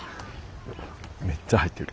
めっちゃ入ってる。